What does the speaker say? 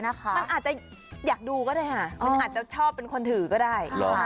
มันอาจจะอยากดูก็ได้ค่ะมันอาจจะชอบเป็นคนถือก็ได้